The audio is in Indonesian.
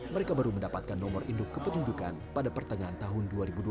mereka baru mendapatkan nomor induk kependudukan pada pertengahan tahun dua ribu dua puluh